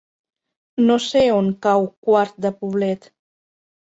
No sé on cau Quart de Poblet.